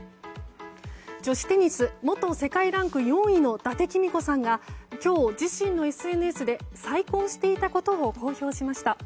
女子テニス元世界ランク４位の伊達公子さんが今日、自身のＳＮＳで再婚していたことを公表しました。